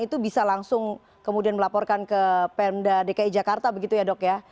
itu bisa langsung kemudian melaporkan ke pemda dki jakarta begitu ya dok ya